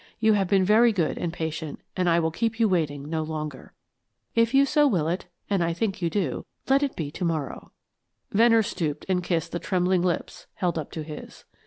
You have been very good and patient, and I will keep you waiting no longer. If you so will it, and I think you do, let it be tomorrow." Venner stooped and kissed the trembling lips held up to his.